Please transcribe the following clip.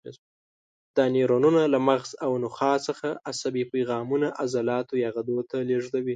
دا نیورونونه له مغز او نخاع څخه عصبي پیغامونه عضلاتو یا غدو ته لېږدوي.